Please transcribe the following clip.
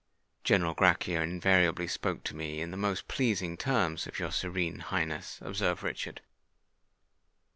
"General Grachia invariably spoke to me in the most pleasing terms of your Serene Highness," observed Richard.